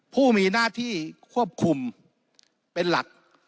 ผู้มีหน้าที่ควบคุมเป็นหลัก